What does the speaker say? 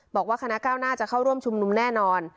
บอกว่าคณะก้าวหน้าจะเข้าร่วมชุมนุมแน่นอน